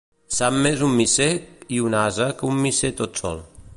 Sap més un misser i un ase que un misser tot sol.